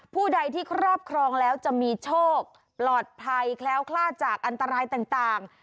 ผู้ใดที่ครอบครองแล้วจะมีโชคปลอดภัยแคล้วคลาดจากอันตรายต่าง